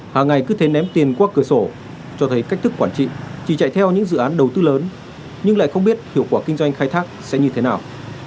hàng ngày cứ thế ném tiền qua cửa sổ cho thấy cách thức quản trị chỉ chạy theo những dự án đầu tư lớn nhưng lại không biết hiệu quả kinh doanh khai thác sẽ như thế nào